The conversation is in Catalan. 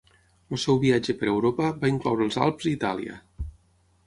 El seu viatge per Europa va incloure els Alps i Itàlia.